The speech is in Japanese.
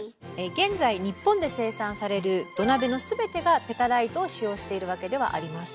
現在日本で生産される土鍋の全てがペタライトを使用しているわけではありません。